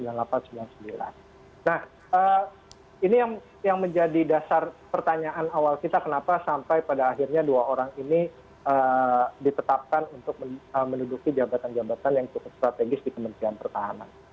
nah ini yang menjadi dasar pertanyaan awal kita kenapa sampai pada akhirnya dua orang ini ditetapkan untuk menduduki jabatan jabatan yang cukup strategis di kementerian pertahanan